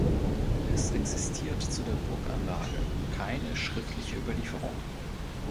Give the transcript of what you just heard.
Es existiert zu der Burganlage keine schriftliche Überlieferung.